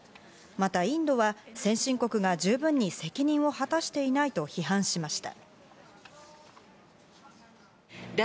またインドは、先進国が十分に責任を果たしていないと批判しました。